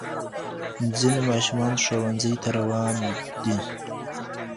ځینې ماشومان ښوونځي ته روان دي.